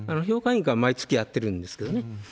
評価委員会は毎月やってるんですけどね。